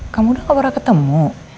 kamu udah gak pernah ketemu